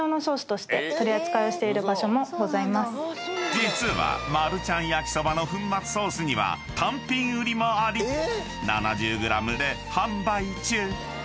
［実はマルちゃん焼そばの粉末ソースには単品売りもあり７０ｇで販売中］